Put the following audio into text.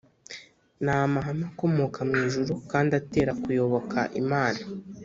ni amahame akomoka mu ijuru kandi atera kuyoboka imana,